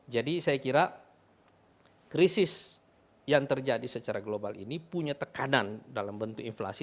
jadi saya kira krisis yang terjadi secara global ini punya tekanan dalam bentuk inflasi